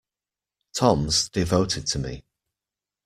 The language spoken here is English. Tom's devoted to me.